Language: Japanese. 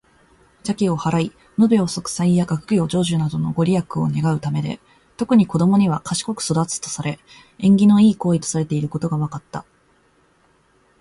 邪気を払い、無病息災や学業成就などのご利益を願うためで、特に子どもには「賢く育つ」とされ、縁起の良い行為とされていることが分かった。